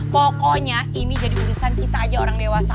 pokoknya ini jadi urusan kita aja orang dewasa